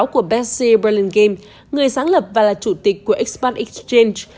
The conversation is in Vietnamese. của bessie berlin game người sáng lập và là chủ tịch của expand exchange